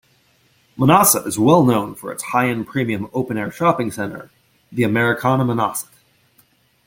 Manhasset is well known for its high-end premium open-air shopping center, the Americana Manhasset.